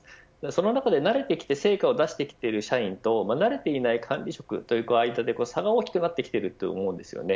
その中で慣れてきて成果を出している社員と慣れていない管理職の間で差が大きくなっていると思います。